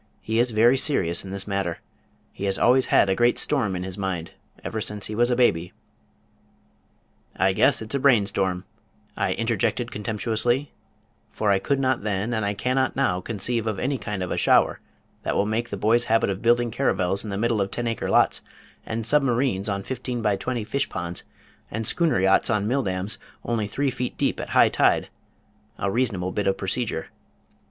He is very serious in this matter. He has always had a great storm in his mind ever since he was a baby." "I guess it's a brain storm," I interjected contemptuously, for I could not then, and I cannot now conceive of any kind of a shower that will make the boy's habit of building caravels in the middle of ten acre lots, and submarines on fifteen by twenty fish ponds, and schooner yachts on mill dams only three feet deep at high tide a reasonable bit of procedure.